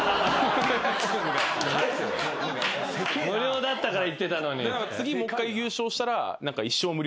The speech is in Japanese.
無料だったから行ってたのにって？